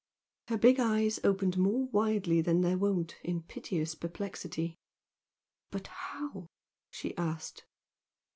Her big eyes opened more widely than their wont in piteous perplexity. "But how?" she asked.